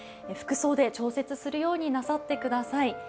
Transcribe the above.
服装で調節するようになさってください。